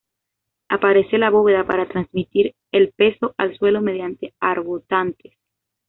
Aparece la bóveda para transmitir el peso al suelo mediante arbotantes.